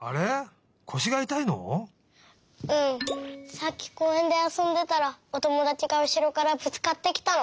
さっきこうえんであそんでたらおともだちがうしろからぶつかってきたの。